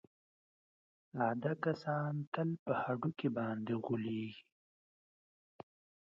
ساده کسان تل په هډوکي باندې غولېږي.